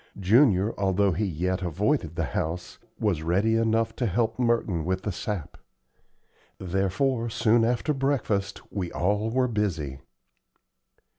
Junior, although he yet avoided the house, was ready enough to help Merton with the sap. Therefore soon after breakfast we all were busy.